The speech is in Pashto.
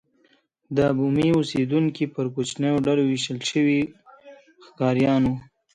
دا بومي اوسېدونکي پر کوچنیو ډلو وېشل شوي ښکاریان وو.